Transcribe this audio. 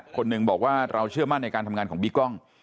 คนหนึ่งบอกว่าเราเชื่อมั่นในการทำงานของบิ๊กกล้อง